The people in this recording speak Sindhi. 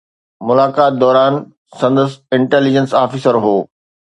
ملاقات دوران سندس انٽيليجنس آفيسر هو